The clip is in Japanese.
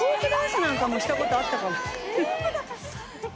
なんかもしたことあったかも。